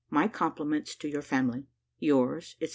My compliments to your family. "Yours, etc.